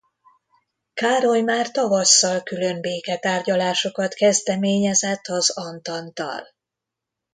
Károly már tavasszal különbéke-tárgyalásokat kezdeményezett az antanttal.